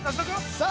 ◆さあ、